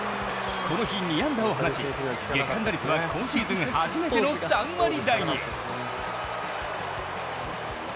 この日、２安打を放ち月間打率は今シーズン初めての３割台に。